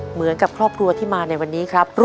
เหมือนกับครอบครัวที่มาในวันนี้ครับ